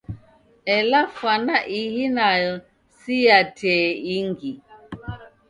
Ela fwana ihi nayo si ya tee ingi.